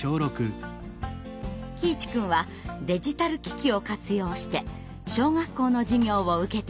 喜一くんはデジタル機器を活用して小学校の授業を受けていました。